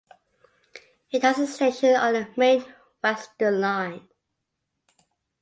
It has a station on the Main Western line.